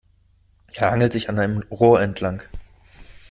Er hangelt sich an einem Rohr entlang.